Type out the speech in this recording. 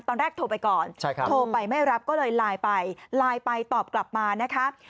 ตอนแรกโทรไปก่อนโทรไปไม่รับก็เลยไลน์ไปไลน์ไปตอบกลับมานะคะ